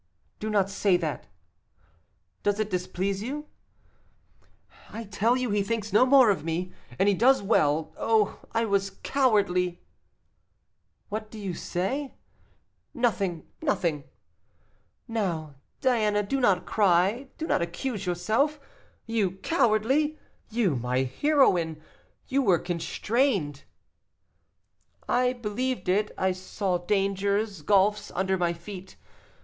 "Do not say that." "Does it displease you?" "I tell you he thinks no more of me; and he does well oh, I was cowardly." "What do you say?" "Nothing, nothing." "Now, Diana, do not cry, do not accuse yourself. You cowardly! you, my heroine! you were constrained." "I believed it; I saw dangers, gulfs under my feet.